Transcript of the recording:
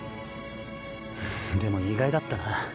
でも意外だったな。